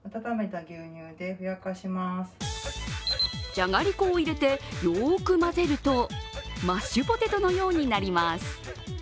じゃがりこを入れてよく混ぜるとマッシュポテトのようになります。